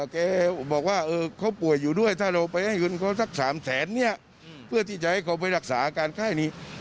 แกบอกว่าเขาป่วยอยู่ด้วยถ้าเราไปให้เงินเขาสัก๓แสนเนี่ยเพื่อที่จะให้เขาไปรักษาอาการไข้นี้